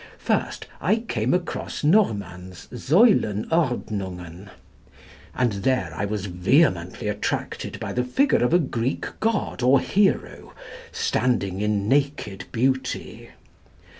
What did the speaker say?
First, I came across Norman's 'Säulenordnungen,' and there I was vehemently attracted by the figure of a Greek god or hero, standing in naked beauty.